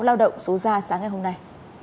lao động số gia sáng ngày hôm nay